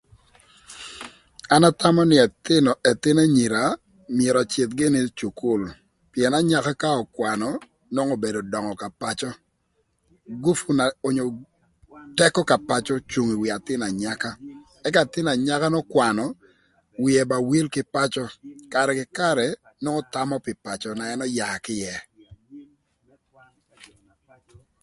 An athamö nï ëthïnö k'ëthïn anyira myero öcïdh gïnï ï cukul pïën anyaka ka ökwanö nongo obedo döngö ka pacö gupu na onyo tëkö ka pacö ocung ï wi athïn anyaka ëka athïn anyaka n'ökwanö wie ba wil kï pacö karë kï karë nwongo thamö pï pacö na ën öya kï ïë.